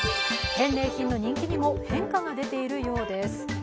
返礼品の人気にも変化が出ているようです。